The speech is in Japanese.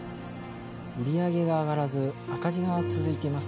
売り上げが上がらず赤字が続いています